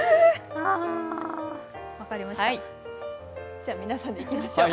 じゃ、皆さんでいきましょう。